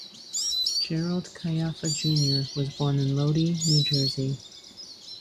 Gerald Caiafa, Junior was born in Lodi, New Jersey.